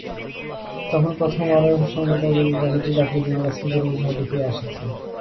তখন প্রথম আলোর সংবাদদাতাকে কমিটি ডাকলেও তিনি ব্যস্ততার অজুহাত দেখিয়ে আসেননি।